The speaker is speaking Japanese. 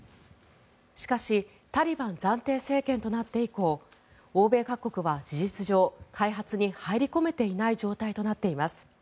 しかしタリバン暫定政権となって以降欧米各国は事実上開発に入り込めていない状態となっています。